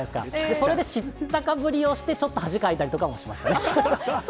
それで知ったかぶりをして、ちょっと恥かいたりとかもしましたね。